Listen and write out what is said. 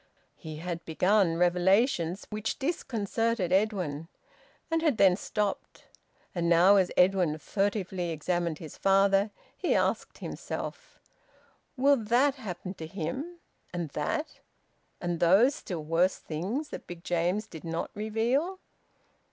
He had begun revelations which disconcerted Edwin, and had then stopped. And now as Edwin furtively examined his father, he asked himself: "Will that happen to him, and that, and those still worse things that Big James did not reveal?"